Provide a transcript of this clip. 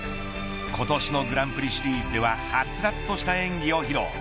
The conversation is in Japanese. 今年のグランプリシリーズでははつらつとした演技を披露。